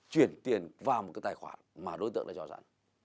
chuyển tiền vào một cái tài khoản mà đối tượng đã cho sẵn